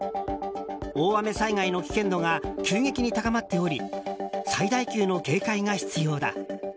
大雨災害の危険度が急激に高まっており最大級の警戒が必要だ。